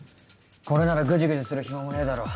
これならグジグジする暇もねえだろ